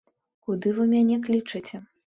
Куды вы мяне клічаце?